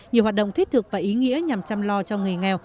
nhiều hoạt động thiết thực và ý nghĩa nhằm chăm lo cho người nghèo